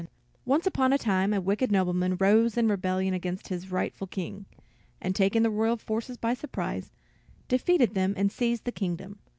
] Once upon a time a wicked nobleman rose in rebellion against his rightful king, and taking the royal forces by surprise, defeated them and seized the kingdom.